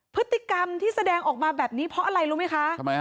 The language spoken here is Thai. พฤติกรรมที่แสดงออกมาแบบนี้เพราะอะไรรู้ไหมคะ